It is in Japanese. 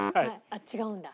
あっ違うんだ。